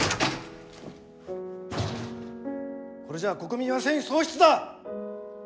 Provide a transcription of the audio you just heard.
これじゃあ国民は戦意喪失だ！